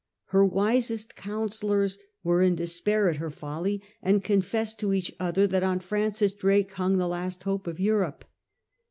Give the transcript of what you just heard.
Her wisest councillors were in despair at her folly, and confessed to each other that on Francis Drake hung the last hope of Europe.